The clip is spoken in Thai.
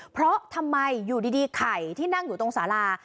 เพราะทำไมอยู่ดีไข่ที่นั่งอยู่ตรงสารา